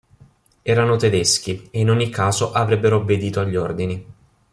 Erano Tedeschi e in ogni caso avrebbero obbedito agli ordini.